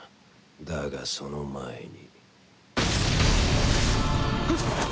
だがその前に。